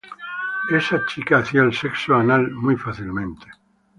Esa chica hacía el sexo anal muy fácilmente.